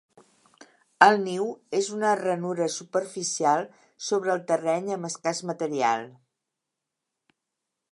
El niu és una ranura superficial sobre el terreny amb escàs material.